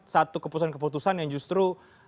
satu keputusan keputusan yang justru